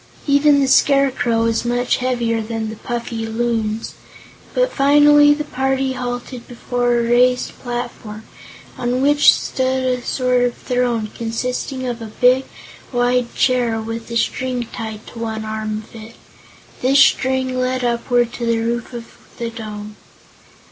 Even the Scarecrow was much heavier than the puffy Loons. But finally the party halted before a raised platform, on which stood a sort of throne, consisting of a big, wide chair with a string tied to one arm of it. This string led upward to the roof of the dome.